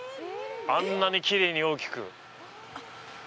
あんなにきれいに大きく。